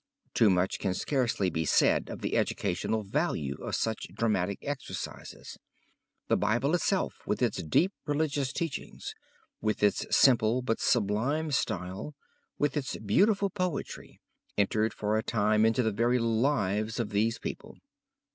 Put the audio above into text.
Too much can scarcely be said of the educational value of such dramatic exercises; the Bible itself with its deep religious teachings, with its simple but sublime style, with its beautiful poetry, entered for a time into the very lives of these people.